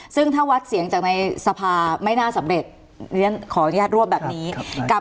ซึ่งถ้าวัดเสียงจากในสภาไม่น่าสำเร็จเรียนขออนุญาตรวบแบบนี้กับ